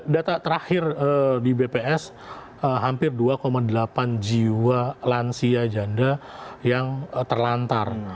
data terakhir di bps hampir dua delapan jiwa lansia janda yang terlantar